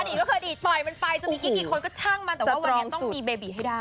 ไม่เคยดีดปล่อยมันไปจะมีกิ๊กกี่คนก็ช่างมันแต่ว่าวันนี้ต้องมีเบบีให้ได้